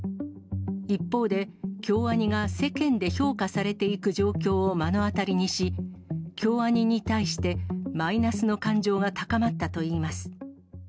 一方で、京アニが世間で評価されていく状況を目の当たりにし、京アニに対してマイナスの感情が高まったといいます。